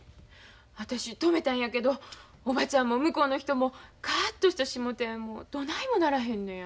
私止めたんやけどおばちゃんも向こうの人もカッとしてしもてもうどないもならへんのや。